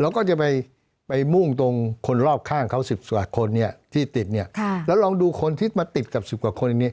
เราก็จะไปมุ่งตรงคนรอบข้างเขา๑๐กว่าคนเนี่ยที่ติดเนี่ยแล้วลองดูคนที่มาติดกับ๑๐กว่าคนอย่างนี้